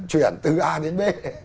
chuyển từ a đến b